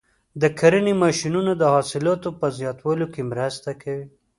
د کرنې ماشینونه د حاصلاتو په زیاتوالي کې مرسته کوي.